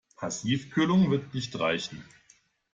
Passivkühlung wird nicht reichen.